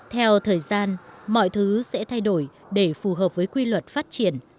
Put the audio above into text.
theo thời gian mọi thứ sẽ thay đổi để phù hợp với quy luật phát triển